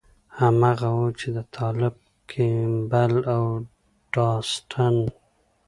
هماغه و چې د طالب کېبل او ډاټسن.